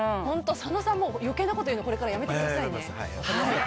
佐野さんも余計なこと言うのこれからやめてくださいね。